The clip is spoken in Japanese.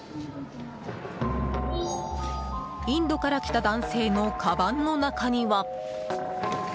インドから来た男性のかばんの中には。